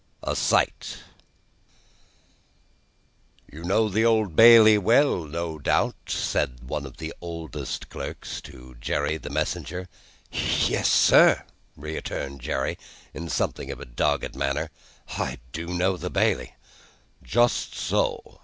A Sight "You know the Old Bailey well, no doubt?" said one of the oldest of clerks to Jerry the messenger. "Ye es, sir," returned Jerry, in something of a dogged manner. "I do know the Bailey." "Just so.